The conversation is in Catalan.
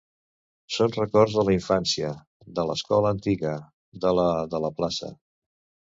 Són records de la infància, de l’escola antiga, de la de la plaça.